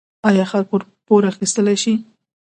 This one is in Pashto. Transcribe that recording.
آیا خلک پور اخیستلی شي؟